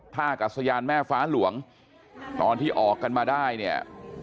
กัศยานแม่ฟ้าหลวงตอนที่ออกกันมาได้เนี่ย